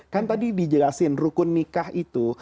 kan tadi dijelasin rukun nikah itu